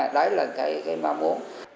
đó là cái mong muốn